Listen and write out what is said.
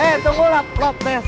eh tunggu love destroyer atau tunggu